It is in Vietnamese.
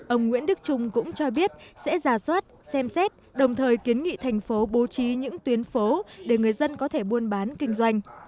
ông nguyễn đức trung cũng cho biết sẽ giả soát xem xét đồng thời kiến nghị thành phố bố trí những tuyến phố để người dân có thể buôn bán kinh doanh